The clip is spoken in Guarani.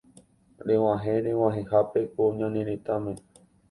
reg̃uahẽ reg̃uahẽhápe ko ñane retãme